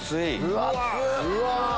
うわ！